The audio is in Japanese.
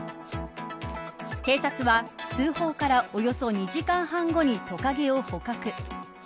警察は通報からおよそ２時間半後にトカゲを捕獲。